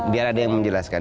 biar ada yang menjelaskan